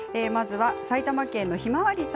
埼玉県の方。